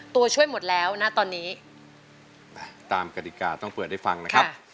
ตัวช่วยหมดแล้วนะตอนนี้ตามกฎิกาต้องเปิดให้ฟังนะครับ